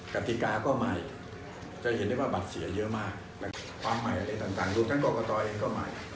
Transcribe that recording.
กติกาก็ใหม่จะเห็นได้ว่าบัตรเสียเยอะมากความใหม่อะไรต่างรวมทั้งกรกตเองก็ใหม่